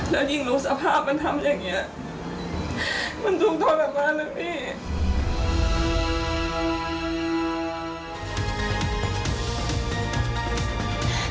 แล้วยิ่งรู้สภาพทำแบบนี้